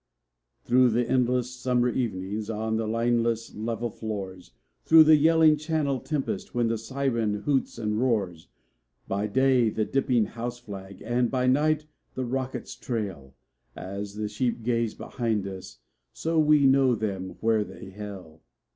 Through the endless summer evenings, on the lineless, level floors; Through the yelling Channel tempest when the siren hoots and roars By day the dipping house flag and by night the rocket's trail As the sheep that graze behind us so we know them where they hail.